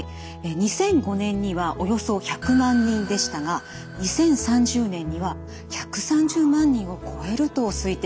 ２００５年にはおよそ１００万人でしたが２０３０年には１３０万人を超えると推定されているんです。